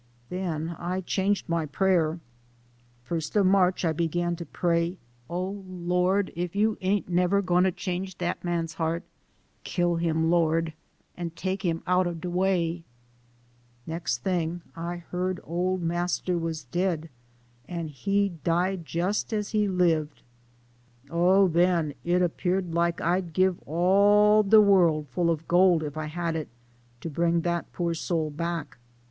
Den I changed my prayer. Fust of March LIFE OF HAKBIET TUBMAN. 15 I began to pray, 4 Oh Lord, if you ant nebber gwine to change clat man's heart, kill him, Lord, MII' take him out ob de way.' " Nex' ting I heard old master was dead, an' he died jus' as .he libed. Oh, then, it 'peared like I'd give all de world full ob gold, if I had it, to bring dat poor soul back.